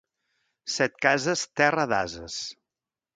Setcases, terra d'ases.